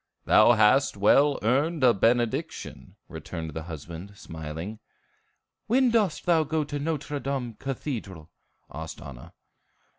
"Thou hast well earned a benediction," returned the husband, smiling. "When dost thou go to Nôtre Dame Cathedral?" asked Anna.